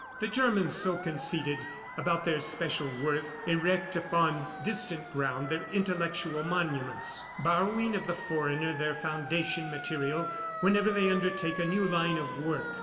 ... The Germans, so conceited about their special worth, erect upon distant ground their intellectual monuments, borrowing of the foreigner their foundation material whenever they undertake a new line of work.